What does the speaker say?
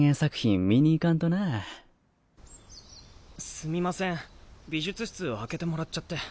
すみません美術室開けてもらっちゃって。